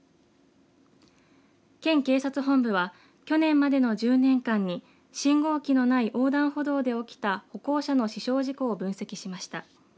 県警察本部は去年までの１０年間に信号機のない横断歩道で起きた歩行者の死傷事故を分析しました。